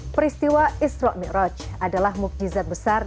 peristiwa isra' mi'raj adalah mukjizat besar